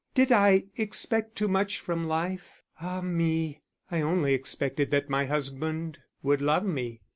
Did I expect too much from life? Ah me, I only expected that my husband would love me.